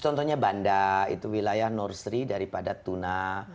contohnya banda itu wilayah nursery daripada tuna